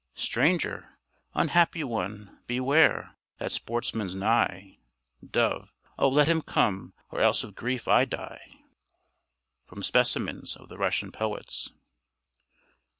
STRANGER Unhappy one! beware! that sportsman's nigh! DOVE Oh, let him come or else of grief I die. From 'Specimens of the Russian Poets.'